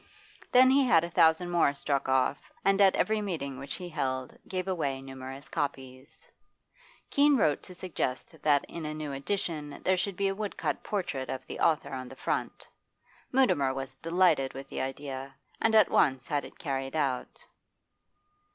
Then he had a thousand more struck off, and at every meeting which he held gave away numerous copies. Keene wrote to suggest that in a new edition there should be a woodcut portrait of the author on the front. Mutimer was delighted with the idea, and at once had it carried out.